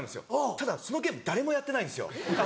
ただそのゲーム誰もやってないんですよ。